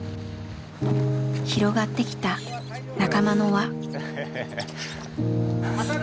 広がってきた仲間の輪。